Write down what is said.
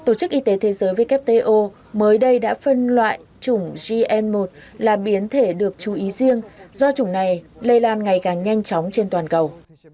tổ chức y tế thế giới wto mới đây đã phân loại chủng gn một là biến thể được chú ý riêng do chủng này lây lan ngày càng nhanh chóng trên toàn cầu